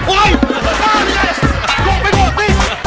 โอ้ยต้องกลับไปก่อนสิ